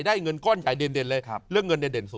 ได้เงินก้อนใหญ่เด่น